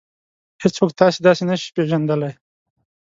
هېڅوک تاسې داسې نشي پېژندلی.